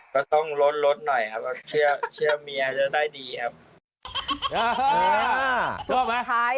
ก็ต้องลดลดหน่อยครับเชื่อเมียจะได้ดีครับ